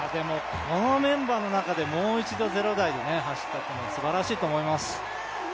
このメンバーの中でもう一度０台で走ったのはすばらしいと思います。